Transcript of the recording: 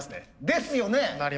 ですよね。